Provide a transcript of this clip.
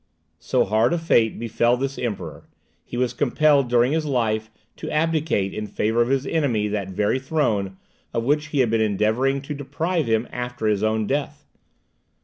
So hard a fate befell this Emperor; he was compelled, during his life, to abdicate in favour of his enemy that very throne, of which he had been endeavouring to deprive him after his own death.